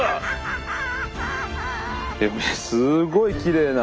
すごいきれいな。